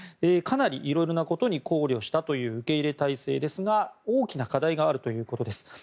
かなり、いろいろなことに考慮したという受け入れ態勢ですが大きな課題があるということです。